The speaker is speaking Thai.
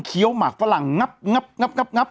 เคี้ยวหมักฝรั่งงับ